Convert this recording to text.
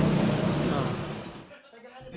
itu kan ahoknya